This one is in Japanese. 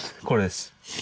これです。